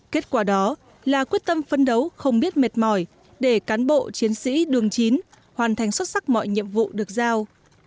kết quả đó là quyết tâm phấn đấu không biết mệt mỏi để cán bộ chiến sĩ đường chín hoàn thành xuất sắc mọi nhiệm vụ được giao